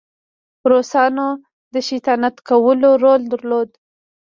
روسانو د شیطانت کولو رول درلود.